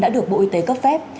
đã được bộ y tế cấp phép